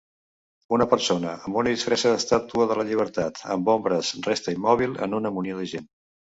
Una persona amb una disfressa d'estàtua de la llibertat amb ombres resta immòbil en una munió de gent.